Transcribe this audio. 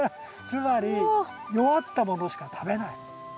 つまり弱ったものしか食べない。